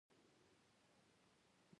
مرګ ولې یاد ساتو؟